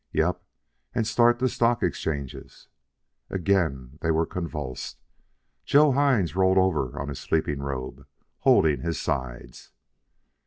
"Yep, and start the stock exchanges " Again they were convulsed. Joe Hines rolled over on his sleeping robe, holding his sides.